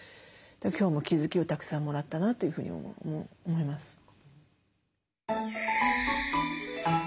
だから今日も気づきをたくさんもらったなというふうに思います。